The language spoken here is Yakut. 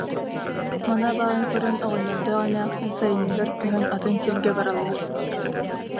Маны абааһы көрөн, оҕонньордоох эмээхсин сайыныгар көһөн атын сиргэ бараллар